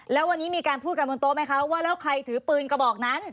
แล้ววันนี้มีการพูดกันบนโต๊ะไหมคะว่าแล้วใครถือปืนกระบอกนั้น